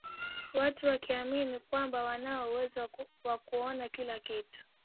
Watu wakiamini kwamba anao uwezo wa kuona kila kitu